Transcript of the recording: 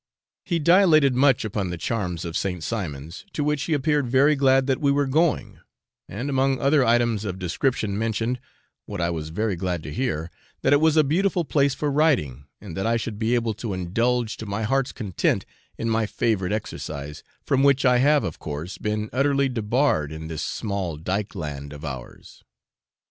He dilated much upon the charms of St. Simon's, to which he appeared very glad that we were going; and among other items of description mentioned, what I was very glad to hear, that it was a beautiful place for riding, and that I should be able to indulge to my heart's content in my favourite exercise, from which I have, of course, been utterly debarred in this small dykeland of ours.